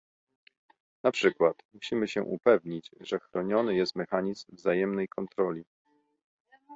Na przykład, musimy się upewnić, że chroniony jest mechanizm wzajemnej kontroli